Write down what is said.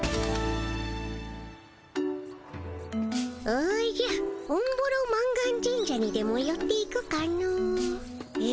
おじゃオンボロ満願神社にでもよっていくかの。え？